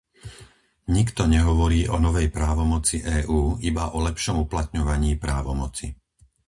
Nikto nehovorí o novej právomoci EÚ, iba o lepšom uplatňovaní právomoci.